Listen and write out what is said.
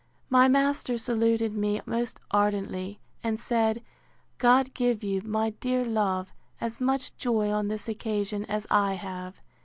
My master saluted me most ardently, and said, God give you, my dear love, as much joy on this occasion, as I have!